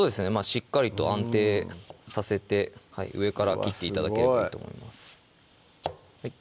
しっかりと安定させて上から切って頂ければと思います